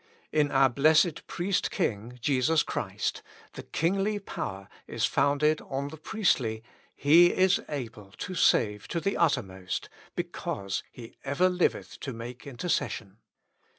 In our blessed Priest King, Jesus Christ, the kingly power is founded on the priestly " He is able lo save to the uttermost, be cause He ever liveth to make intercession."